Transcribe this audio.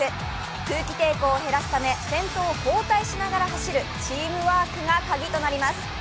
空気抵抗を減らすため先頭を交代しながら走るチームワークが鍵となります。